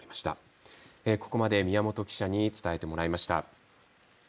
ここまで宮本記者に伝えてもらいました。